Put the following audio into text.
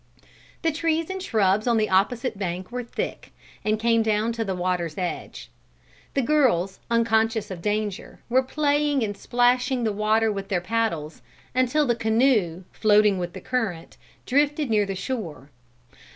The trees and shrubs on the opposite bank were thick, and came down to the water's edge. The girls, unconscious of danger, were playing and splashing the water with their paddles, until the canoe floating with the current, drifted near the shore.